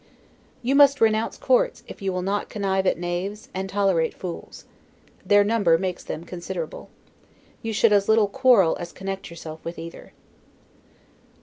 You must renounce courts if you will not connive at knaves, and tolerate fools. Their number makes them considerable. You should as little quarrel as connect yourself with either.